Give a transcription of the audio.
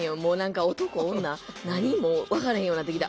もう分からへんようなってきた。